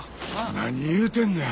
何言うてんのや。